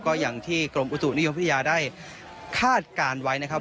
ก็อย่างที่กรมอุตุนิยมวิทยาได้คาดการณ์ไว้นะครับ